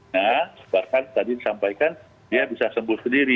nah sebabkan tadi disampaikan dia bisa sembuh sendiri